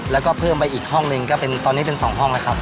แล้วก็เพิ่มไปอีกห้องหนึ่งก็เป็นตอนนี้เป็น๒ห้องแล้วครับ